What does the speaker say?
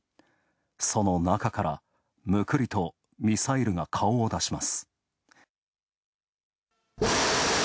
その中から、むくりとミサイルが顔を出します。